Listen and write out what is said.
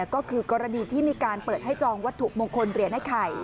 ก็คือกรณีที่มีการเปิดให้จองวัตถุมงคลเหรียญไอ้ไข่